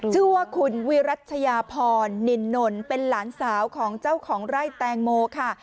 ชื่อว่าคุณวิรัชยาพรนินนเป็นหลานสาวของเจ้าของไร่แตงโมค่ะ